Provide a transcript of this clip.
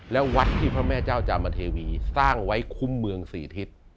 และวัดที่พระแม่เจ้าจามเทวีสร้างไว้คุ้มเมือง๔ทิศ